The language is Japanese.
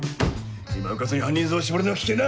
今うかつに犯人像を絞るのは危険だ！